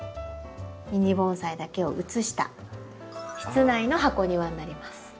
ミニ盆栽だけを移した室内の箱庭になります。